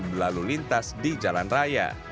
dan berlalu lintas di jalan raya